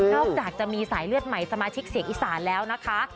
จากจะมีสายเลือดใหม่สมาชิกเสียงอีสานแล้วนะคะ